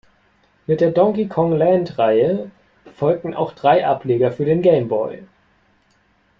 Mit der Donkey-Kong-Land-Reihe folgten auch drei Ableger für den Game Boy.